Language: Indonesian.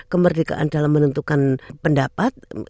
kemerdekaan dalam menentukan pendapat